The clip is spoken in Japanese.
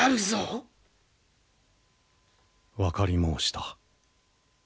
分かり申した。